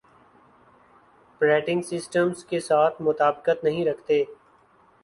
پریٹنگ systems کے ساتھ مطابقت نہیں رکھتے